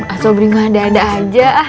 as saudi gak ada ada aja